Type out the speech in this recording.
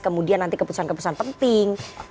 kemudian nanti keputusan keputusan penting